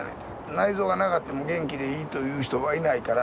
内臓がなかっても元気でいいという人はいないからって。